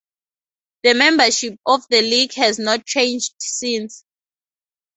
The membership of the league has not changed since.